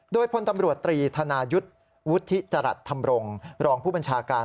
โดยพลตำรวจตรีธนายุทธ์วุฒิจรัสธรรมรงค์รองผู้บัญชาการ